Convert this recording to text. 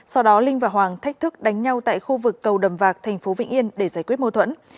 sau đó linh và hoàng thách thức đánh nhau tại khu vực cầu đầm vạc tp vĩnh yên để giải quyết mâu thuẫn